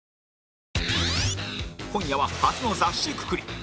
今夜は初の雑誌くくり！